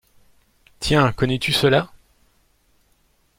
Tiens, connais-tu cela ?